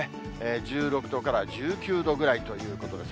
１６度から１９度ぐらいということです。